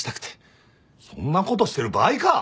そんなことしてる場合か！